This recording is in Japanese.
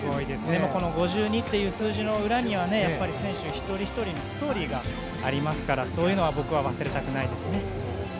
５２という数字の裏には選手一人ひとりのストーリーがありますからそういうのは僕は忘れたくないです。